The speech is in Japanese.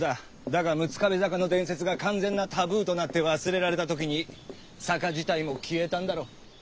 だが六壁坂の伝説が完全なタブーとなって忘れられた時に坂自体も消えたんだろう。